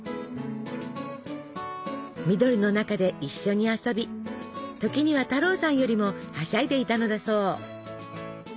緑の中で一緒に遊び時には太郎さんよりもはしゃいでいたのだそう。